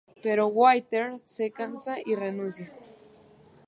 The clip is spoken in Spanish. Pero Whittier se cansa y renuncia.